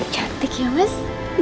cantik ya mas